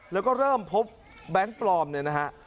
แล้วก็เริ่มพบแบงค์ปลอมเนี่ยนะฮะ